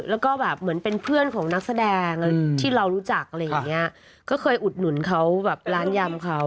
แล้วก็แบบเหมือนเป็นเพื่อนของนักแสดงที่เรารู้จักอะไรอย่างเงี้ยก็เคยอุดหนุนเขาแบบร้านยำเขา